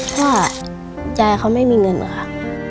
เพราะว่ายายเขาไม่มีเงินค่ะ